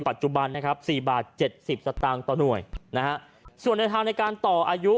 ปัจจุบันนะครับ๔บาท๗๐สตางค์ต่อหน่วยนะฮะส่วนในทางในการต่ออายุ